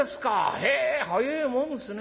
へえ早えもんですね。